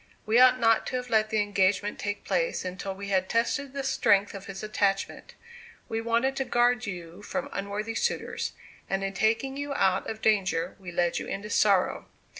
We ought not to have let the engagement take place until we had tested the strength of his attachment. We wanted to guard you from unworthy suitors; and in taking you out of danger, we led you into sorrow."